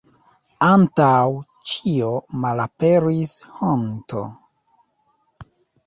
Antaŭ ĉio malaperis honto.